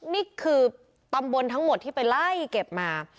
นี่คือตำบลทั้งหมดที่ไปไล่เก็บมา